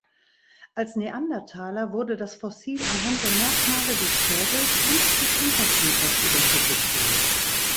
Als Neandertaler wurde das Fossil anhand der Merkmale des Schädels und des Unterkiefers identifiziert.